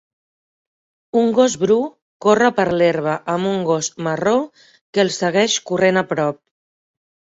Un gos bru corre per l'herba amb un gos marró que el segueix corrent a prop